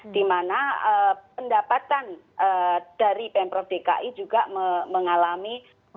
dimana pendapatan dari pemprov dki juga mengalami